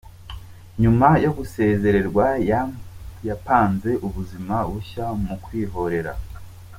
Nyuma yo gusezererwa yapanze ubuzima bushya mu kwikorera.